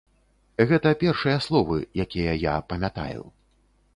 Гэта першыя словы, якія я памятаю.